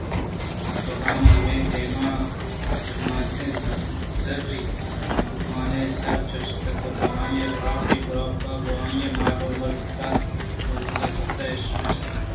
بِہ زاں ہمے دمانءَازامتیں زِری طوفانےءَسرچِست کُتءُ آہانی آپی گُراب گوں آہانی مالءُ مِلکتاں ہورزرءِ گُبّءَایر نِشت